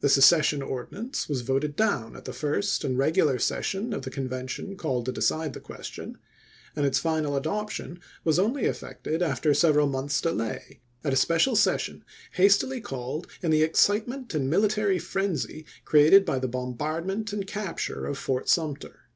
The secession ordinance was voted down at the first and regular session of the Convention called to decide the question ; and its final adoption was only effected after some months' delay, at a special session hastily called in the excitement and military frenzy created by the bom bardment and capture of Fort Sumter.